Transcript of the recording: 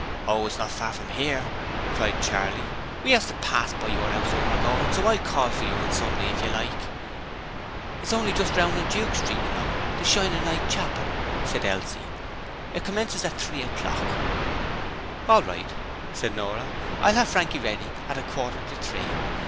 'Oh, it's not far from 'ere,' cried Charley. 'We 'as to pass by your 'ouse when we're goin', so I'll call for you on Sunday if you like.' 'It's only just round in Duke Street; you know, the "Shining Light Chapel",' said Elsie. 'It commences at three o'clock.' 'All right,' said Nora. 'I'll have Frankie ready at a quarter to three.